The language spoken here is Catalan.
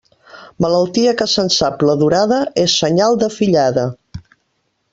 Malaltia que se'n sap la durada és senyal de fillada.